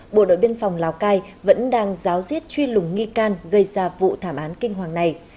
bộ đội biên phòng lào cai vẫn đang giáo diết truy lùng nghi can gây ra vụ thảm án kinh hoàng này